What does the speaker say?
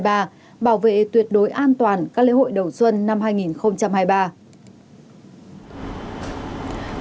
bảo vệ tuyệt đối an toàn các lễ hội đầu xuân năm hai nghìn hai mươi ba